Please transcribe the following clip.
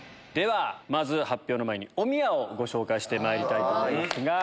まず発表の前におみやをご紹介してまいりたいと思います。